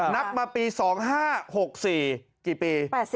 นับมาปี๒๕๖๔กี่ปี